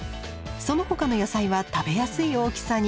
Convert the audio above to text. そのほかの野菜は食べやすい大きさに。